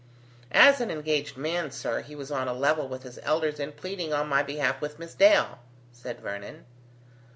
"As an engaged man, sir, he was on a level with his elders in pleading on my behalf with Miss Dale," said Vernon.